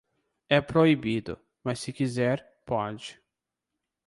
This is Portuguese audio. É proibido, mas se quiser, pode.